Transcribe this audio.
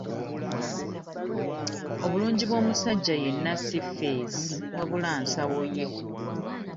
Obulungi bw'omusajja yenna si ffeesi wabula nsawo ye.